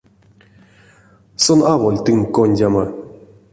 Сон аволь тынк кондямо.